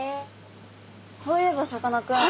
そういえばさかなクン。